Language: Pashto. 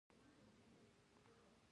سترګې يې سره ور وستې.